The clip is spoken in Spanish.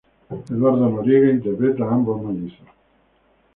Eduardo Noriega interpreta a ambos mellizos.